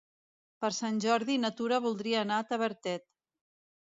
Per Sant Jordi na Tura voldria anar a Tavertet.